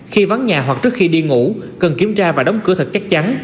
khi vắng nhà hoặc trước khi đi ngủ cần kiểm tra và đóng cửa thật chắc chắn